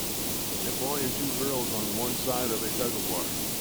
A boy and two girls on one side of a tugofwar.